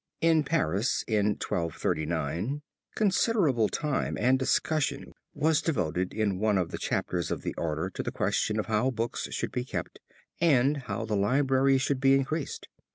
In Paris, in 1239, considerable time and discussion was devoted in one of the chapters of the order to the question of how books should be kept, and how the library should be increased.